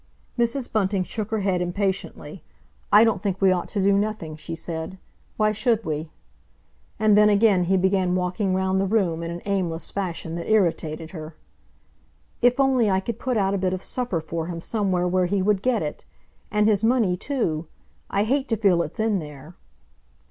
Mrs. Bunting shook her head impatiently. "I don't think we ought to do nothing," she said. "Why should we?" And then again he began walking round the room in an aimless fashion that irritated her. "If only I could put out a bit of supper for him somewhere where he would get it! And his money, too? I hate to feel it's in there."